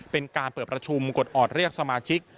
เป็นการเปิดประชุมกดออดเรียกสมาชิก